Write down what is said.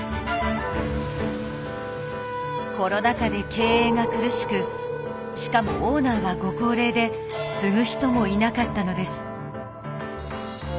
コロナ禍で経営が苦しくしかもオーナーはご高齢で継ぐ人もいなかったのです。